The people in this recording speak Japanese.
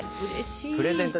プレゼントです